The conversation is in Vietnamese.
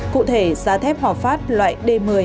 cụ thể giá thép hòa phát loại d một mươi